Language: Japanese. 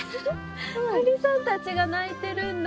鳥さんたちが鳴いてるんだ。